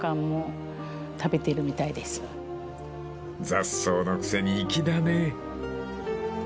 ［雑草のくせに粋だね］